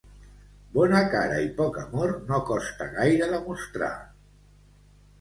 Bona cara i poc amor no costa gaire de mostrar.